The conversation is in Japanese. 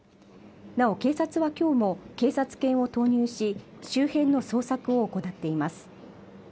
なお警察は今日も警察犬を投入し周辺の捜索を行っています